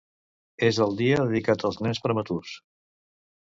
És el dia dedicat als nens prematurs.